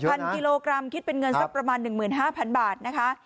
พันกิโลกรัมคิดเป็นเงินสักประมาณ๑๕๐๐๐บาทนะคะ